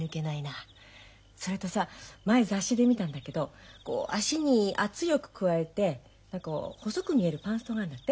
それとさ前雑誌で見たんだけどこう脚に圧力加えて細く見えるパンストがあるんだって？